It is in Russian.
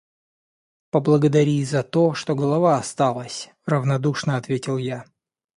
— Поблагодари и за то, что голова осталась, — равнодушно ответил я.